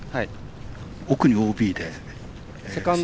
奥にＯＢで。